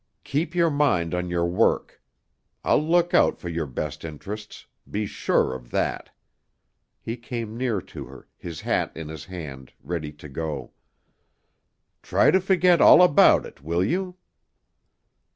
"Keep your mind on your work. I'll look out for your best interests. Be sure of that." He came near to her, his hat in his hand, ready to go. "Try to forget all about it, will you?"